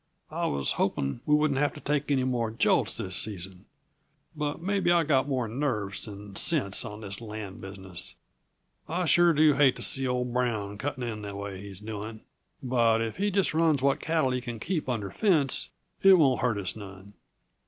I was hoping we wouldn't have to take any more jolts this season but maybe I've got more nerves than sense on this land business. I sure do hate to see old Brown cutting in the way he's doing but if he just runs what cattle he can keep under fence, it won't hurt us none."